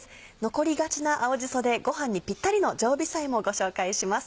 残りがちな青じそでご飯にぴったりの常備菜もご紹介します。